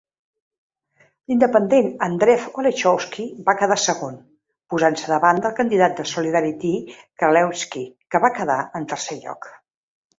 L'independent Andrzej Olechowski va quedar segon, posant-se davant del candidat de Solidarity Krzaklewski, que va quedar en tercer lloc.